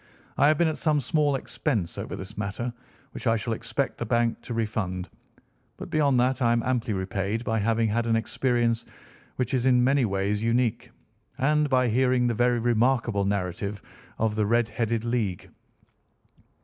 "I have been at some small expense over this matter, which I shall expect the bank to refund, but beyond that I am amply repaid by having had an experience which is in many ways unique, and by hearing the very remarkable narrative of the Red headed League."